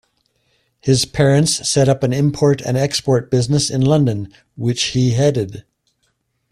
His parents set up an import and export business in London which he headed.